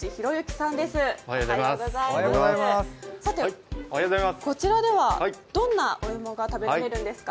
さて、こちらではどんなお芋が食べられるんですか？